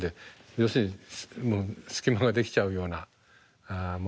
要するに隙間ができちゃうようなものになって。